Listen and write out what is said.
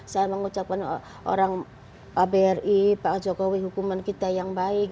saya mengucapkan orang kbri pak jokowi hukuman kita yang baik